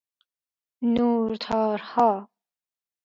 نورتارها